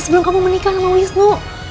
sebelum kamu menikah sama wisnu